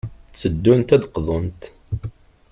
Tteddunt ad d-qḍunt.